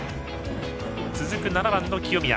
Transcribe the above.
続く７番の清宮。